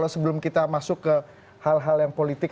sebelum kita masuk ke hal hal yang politik